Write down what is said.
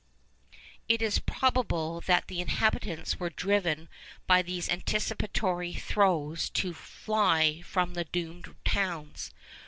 It is probable that the inhabitants were driven by these anticipatory throes to fly from the doomed towns.